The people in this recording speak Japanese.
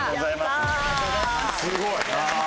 すごい！